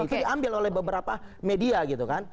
itu diambil oleh beberapa media gitu kan